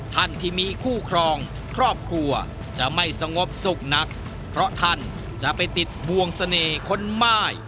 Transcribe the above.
ท่านที่มีคู่ครองครอบครัวจะไม่สงบสุขนักเพราะท่านจะไปติดบวงเสน่ห์คนม่าย